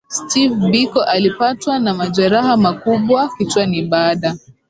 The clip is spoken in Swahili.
Steve Biko alipatwa na majeraha makubwa kichwani baada